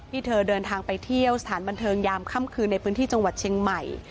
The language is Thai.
เธอเดินทางไปเที่ยวสถานบันเทิงยามค่ำคืนในพื้นที่จังหวัดเชียงใหม่